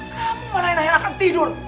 kamu malah enak enak ketidur